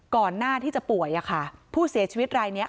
ก่อนหน้าที่จะป่วยอะค่ะผู้เสียชีวิตรายนี้